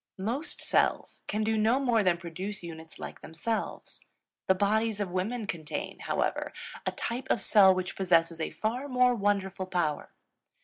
Most cells can do no more than produce units like themselves. The bodies of women contain, however, a type of cell which possesses a far more wonderful power.